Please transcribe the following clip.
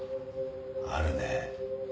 あるね。